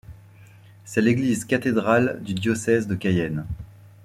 C'est l'église cathédrale du diocèse de Cayenne.